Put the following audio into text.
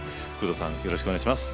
よろしくお願いします。